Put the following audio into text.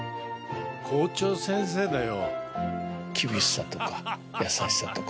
校長先生だよ。